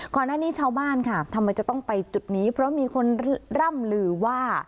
ก่อนหน้านี้ชาวบ้านค่ะทำไมจะต้องไปจุดนี้เพราะมีคนร่ำลือว่า